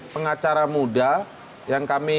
pengacara muda yang kami